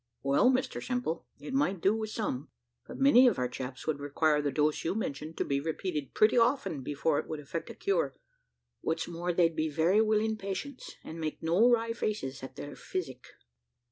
"Well, Mr Simple, it might do with some, but many of our chaps would require the dose you mention to be repeated pretty often before it would effect a cure; and what's more, they'd be very willing patients, and make no wry faces at their physic."